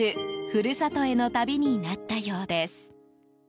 故郷への旅になったようです。